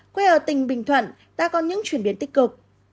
quê ở tỉnh bình thuận đã có những chuyển biến tích cực